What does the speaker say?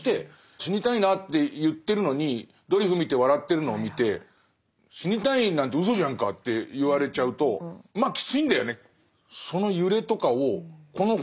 「死にたいな」って言ってるのにドリフ見て笑ってるのを見て「死にたいなんてうそじゃんか」って言われちゃうとまあきついんだよね。